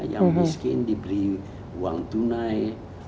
yang miskin diberi uang tunai